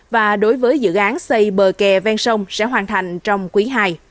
và đối với dự án xây bờ kè ven sông sẽ hoàn thành trong quý ii